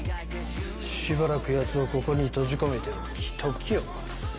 しばらくヤツをここに閉じ込めておき時を待つ。